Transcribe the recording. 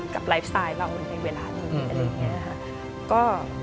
กับไลฟ์สไตล์เรามันเป็นเวลานี้อะไรอย่างเงี้ยค่ะ